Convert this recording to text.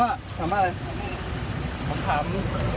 แล้วที่นี้เองก็เลยแทนน้องเขา